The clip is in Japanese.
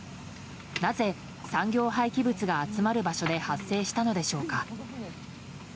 なぜ、産業廃棄物が集まる場所で発生したのでしょうか。